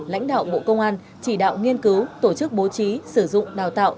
lãnh đạo bộ công an chỉ đạo nghiên cứu tổ chức bố trí sử dụng đào tạo